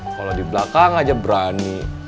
kalau di belakang aja berani